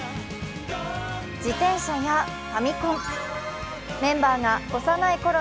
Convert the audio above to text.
自転車やファミコン、メンバーが幼いころ